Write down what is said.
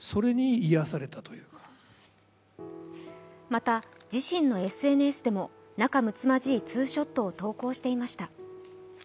また自身のＳＮＳでも仲むつまじいツーショットを投稿していました。